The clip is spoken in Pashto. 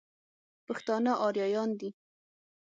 پښتانه اريايان دي.